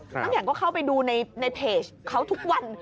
น้ำแข็งก็เข้าไปดูในเพจเขาทุกวัน